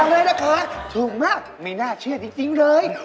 บอกเลยนะคะชูบมากมีน่าเชื่อดีจริงเลย